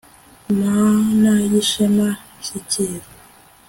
mana y'ishema, shyikira